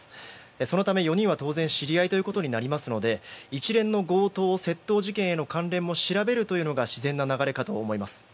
そのため、４人は当然知り合いということになるので一連の強盗・窃盗事件への関連も調べるというのが自然な流れかと思います。